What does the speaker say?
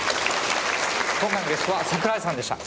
今回のゲストは桜井さんでした。